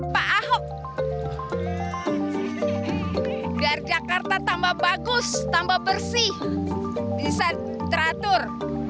pak ahok biar jakarta tambah bagus tambah bersih bisa teratur